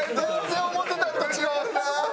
全然思うてたんと違う！